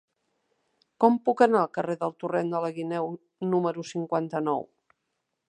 Com puc anar al carrer del Torrent de la Guineu número cinquanta-nou?